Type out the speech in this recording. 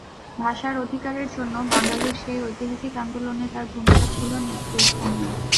ভাষার অধিকারের জন্য বাঙালির সেই ঐতিহাসিক আন্দোলনে তাঁর ভূমিকা ছিল নেতৃস্থানীয়।